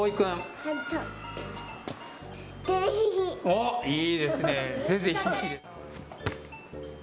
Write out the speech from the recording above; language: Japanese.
おっ、いいですね。